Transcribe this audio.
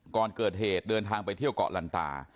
ก่อนเกิดเหตุเดินทางไปเที่ยวเกาะลันตา